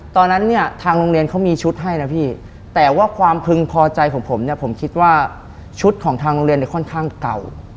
ตอนนั้นเนี่ยทางโรงเรียนเขามีชุดให้นะพี่แต่ว่าความพึงพอใจของผมเนี่ยผมคิดว่าชุดของทางโรงเรียนเนี่ยค่อนข้างเก่า